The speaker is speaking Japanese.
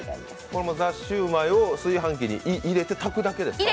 これ、ザ★シュウマイを炊飯器に入れて炊くだけですか？